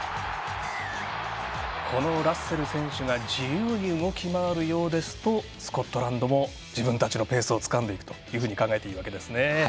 ラッセル選手が自由に動き回るようですとスコットランドも自分たちのペースをつかんでいくと考えていいわけですね。